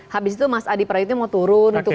habis itu mas adi prayutnya mau turun gitu kan